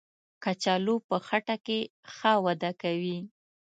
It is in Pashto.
کچالو په خټه کې ښه وده کوي